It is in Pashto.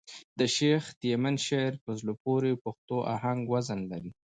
د شېخ تیمن شعر په زړه پوري پښتو آهنګ وزن لري.